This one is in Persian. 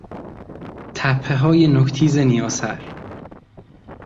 تپههای نوک تیز نیاسر